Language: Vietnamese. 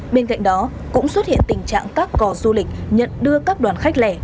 bên cạnh đó cũng xuất hiện tình trạng các cò du lịch nhận đưa các đoàn khách lẻ